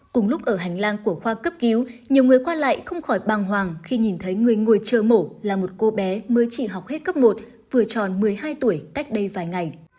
cùng lúc ở hành lang của khoa cấp cứu nhiều người qua lại không khỏi bàng hoàng khi nhìn thấy người ngồi chờ mổ là một cô bé mới chỉ học hết cấp một vừa tròn một mươi hai tuổi cách đây vài ngày